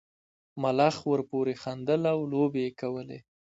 ملخ ورپورې خندل او لوبې یې کولې.